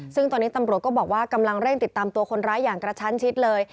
ซึ่งตอนนี้ตำรวจก็บอกว่ากำลังเร่งติดตามตัวคนร้ายอย่างกระชั้นชิดเลย